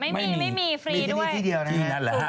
ไม่มีไม่มีฟรีด้วยมีที่นี่ที่เดียวนะฮะที่นั่นแหละ